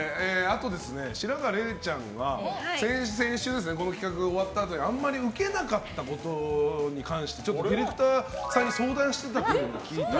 白河れいちゃんが、先々週この企画が終わったあとにあまりウケなかったことをちょっとディレクターさんに相談していたという。